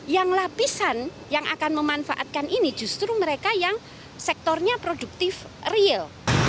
yang lapisan yang akan memanfaatkan ini justru mereka yang sektornya produktif real